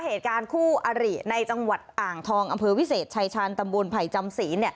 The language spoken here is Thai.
เหตุการณ์คู่อริในจังหวัดอ่างทองอำเภอวิเศษชายชาญตำบลไผ่จำศีล